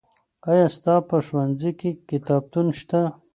آیا ستا په ښوونځي کې کتابتون شته؟